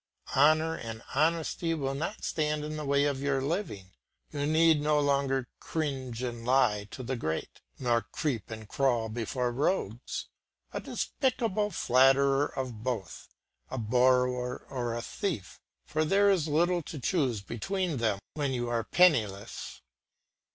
Honour and honesty will not stand in the way of your living. You need no longer cringe and lie to the great, nor creep and crawl before rogues, a despicable flatterer of both, a borrower or a thief, for there is little to choose between them when you are penniless.